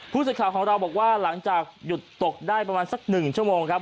สิทธิ์ของเราบอกว่าหลังจากหยุดตกได้ประมาณสัก๑ชั่วโมงครับ